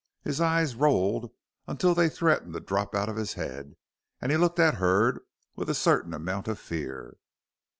His eyes rolled until they threatened to drop out of his head, and he looked at Hurd with a certain amount of fear.